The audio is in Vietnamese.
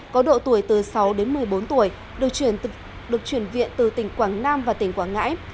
có độ tuổi từ sáu đến một mươi bốn tuổi được chuyển viện từ tỉnh quảng nam và tỉnh quảng ngãi